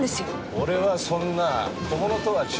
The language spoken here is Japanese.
俺はそんな小物とは違う。